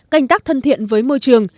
cành tác thân thiện với môi trường